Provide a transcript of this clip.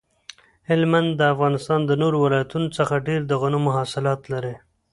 هلمند د افغانستان د نورو ولایتونو څخه ډیر د غنمو حاصلات لري